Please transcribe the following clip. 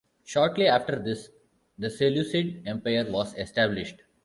Shortly after this the Seleucid Empire was established.